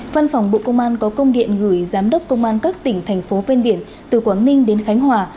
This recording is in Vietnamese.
văn phòng bộ công an có công điện gửi giám đốc công an các tỉnh thành phố ven biển từ quảng ninh đến khánh hòa